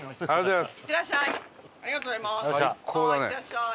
はいいってらっしゃい。